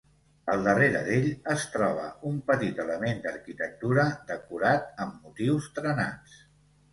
Al darrere d'ell es troba un petit element d'arquitectura, decorat amb motius trenats.